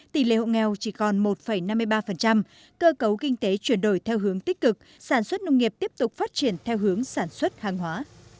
tỷ lệ hộ nghèo chỉ còn một năm mươi ba cơ cấu kinh tế chuyển đổi theo hướng tích cực sản xuất nông nghiệp tiếp tục phát triển theo hướng sản xuất hàng hóa